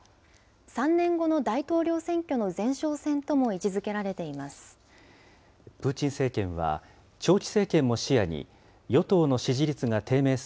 ３年後の大統領選挙の前哨戦とも位置づけられています。